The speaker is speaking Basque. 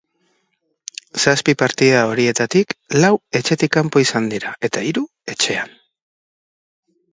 Zazpi partida horietatik, lau etxetik kanpo izango dira eta hiru, etxean.